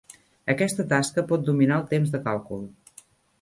Aquesta tasca pot dominar el temps de càlcul.